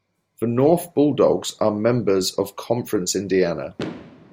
The North Bull Dogs are members of Conference Indiana.